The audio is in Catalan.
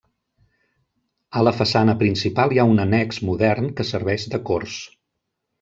A la façana principal hi ha un annex modern que serveix de corts.